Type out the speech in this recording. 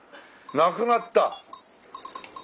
亡くなった。